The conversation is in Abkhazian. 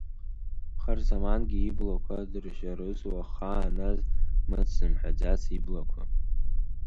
Харзамангьы иблакәа дыржьарызу, ахааназ мыц зымҳәаӡац иблақәа?